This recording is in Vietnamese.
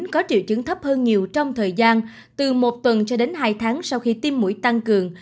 có triệu chứng thấp hơn nhiều trong thời gian từ một tuần cho đến hai tháng sau khi tiêm mũi tăng cường